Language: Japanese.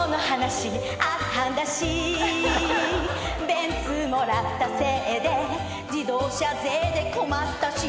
「ベンツもらったせいで自動車税で困ったし」